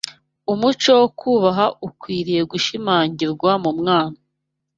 umuco wo kubaha ukwiriye gushimangirwa mu mwana